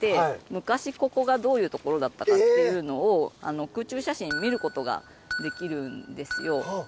昔ここがどういう所だったかっていうのを空中写真見ることができるんですよ。